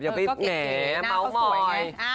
เสียลมั้ยเหมาะมอย